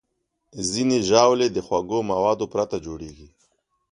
ځینې ژاولې د خوږو موادو پرته جوړېږي.